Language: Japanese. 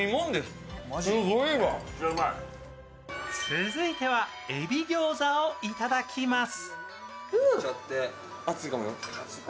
続いてはえびギョーザをいただきます。